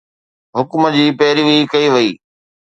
حڪم جي پيروي ڪئي وئي.